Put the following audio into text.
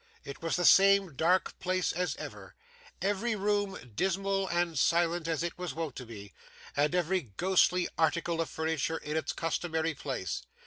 It was the same dark place as ever: every room dismal and silent as it was wont to be, and every ghostly article of furniture in its customary place.